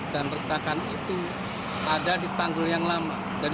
dan retakan itu ada di tanggul yang lama